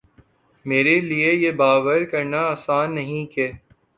میرے لیے یہ باور کرنا آسان نہیں کہ